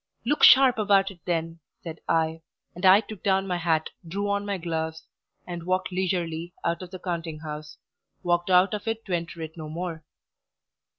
"Look sharp about it, then," said I, and I took down my hat, drew on my gloves, and walked leisurely out of the counting house walked out of it to enter it no more.